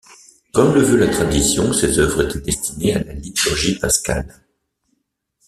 Comme le veut la tradition, ces œuvres étaient destinées à la liturgie pascale.